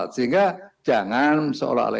sehingga jangan seolah olah